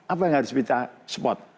apa yang harus kita support